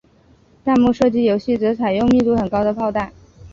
弹幕射击游戏则采用密度很高的炮弹。